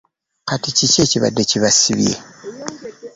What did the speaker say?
Kati kiki ekibadde kibasibye?